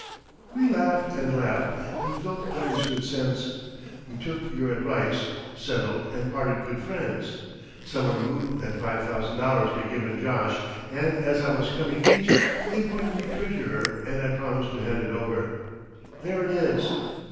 We laughed and laughed and felt that was good sense. We took your advice, settled, and parted good friends. Some one moved that five thousand dollars be given Josh, and as I was coming East they appointed me treasurer and I promised to hand it over. There it is."